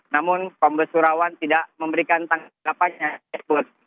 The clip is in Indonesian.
namun kombo surawan tidak memberikan tanggapan tersebut